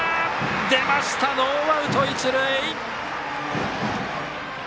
出ました、ノーアウト、一塁。